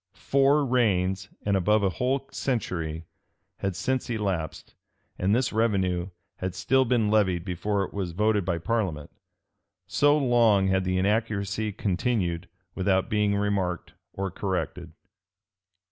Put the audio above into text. [*] Four reigns, and above a whole century, had since elapsed; and this revenue had still been levied before it was voted by parliament: so long had the inaccuracy continued, without being remarked or corrected.